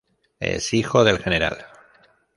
Es hijo del Gral.